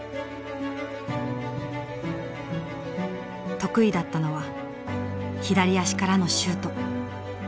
得意だったのは左足からのシュート。